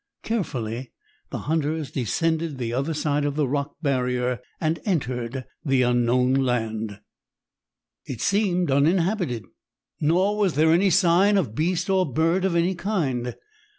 Carefully, the hunters descended the other side of the rock barrier and entered the unknown land. It seemed uninhabited. Nor was there any sign of beast or bird of any kind.